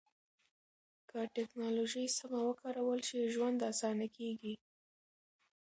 که ټکنالوژي سمه وکارول شي، ژوند اسانه کېږي.